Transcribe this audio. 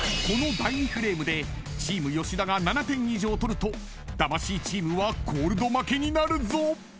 ［この第２フレームでチーム吉田が７点以上取ると魂チームはコールド負けになるぞ］